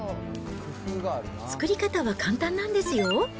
作り方は簡単なんですよ。